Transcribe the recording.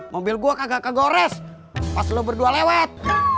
mobil gue kagak kegores pas lo berdua lewat